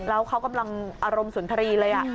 แล้วเขากำลังอารมณ์สุนทรีย์เลย